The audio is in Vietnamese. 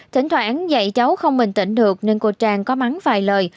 thỉnh thoảng dạy cháu không bình tĩnh được nên cô trang có mắn vài lời